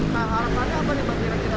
nah harapannya apa nih parkir parkirnya